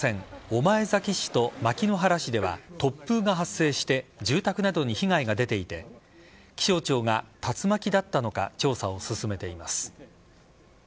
御前崎市と牧之原市では突風が発生して住宅などに被害が出ていて気象庁が竜巻だったのか調査を進めています。